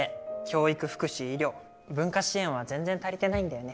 教育福祉医療文化支援は全然足りてないんだよね。